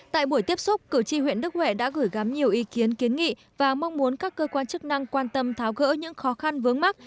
tại buổi tiếp xúc cử tri huyện đức huệ đã gửi gắm nhiều ý kiến kiến nghị và mong muốn các cơ quan chức năng quan tâm tháo gỡ những khó khăn vướng mắt